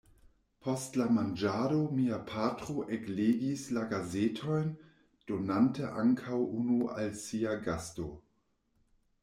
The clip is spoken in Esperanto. Post la manĝado mia patro eklegis la gazetojn, donante ankaŭ unu al sia gasto.